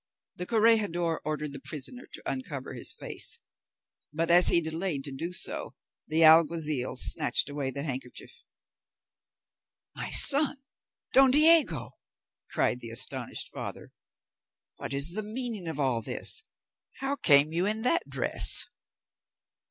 The corregidor ordered the prisoner to uncover his face, but as he delayed to do so the alguazil snatched away the handkerchief. "My son, Don Diego!" cried the astonished father. "What is the meaning of all this? How came you in that dress?